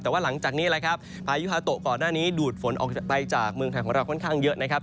แต่ว่าหลังจากนี้แหละครับพายุฮาโตะก่อนหน้านี้ดูดฝนออกไปจากเมืองไทยของเราค่อนข้างเยอะนะครับ